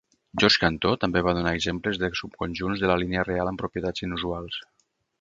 Georg Cantor també va donar exemples de subconjunts de la línia real amb propietats inusuals.